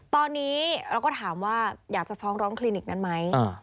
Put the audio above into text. ตอนนี้เราก็ถามว่าอยากจะฟ้องร้องคลินิกนั้นไหม